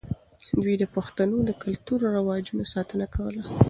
دوی د پښتنو د کلتور او رواجونو ساتنه کوله.